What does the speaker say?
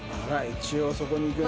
一応そこに行くんだ。